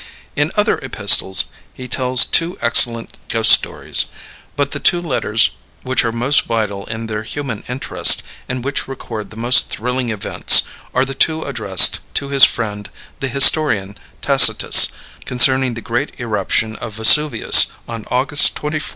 In other epistles he tells two excellent ghost stories. But the two letters which are most vital in their human interest, and which record the most thrilling events, are the two addressed to his friend, the historian Tacitus, concerning the great eruption of Vesuvius on August 24, A.